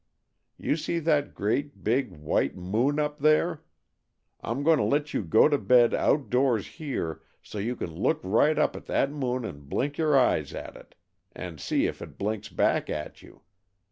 You see that great, big, white moon up there? I'm going to let you go to bed outdoors here, so you can look right up at that moon and blink your eyes at it, and see if it blinks back at you.